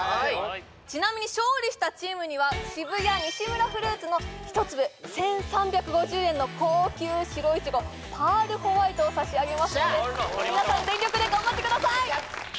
ちなみに勝利したチームには渋谷西村フルーツの１粒１３５０円の高級白いちごパールホワイトを差し上げますので皆さん全力で頑張ってください！